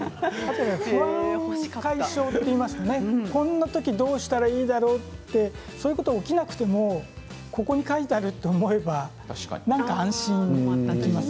不安を解消といいますかこんな時にどうしたらいいだろうってそういうことが起きなくてもここに書いてあると思えば安心できますね。